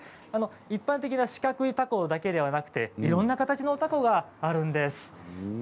一般的な四角い凧だけではなくいろんな形の凧があるんです。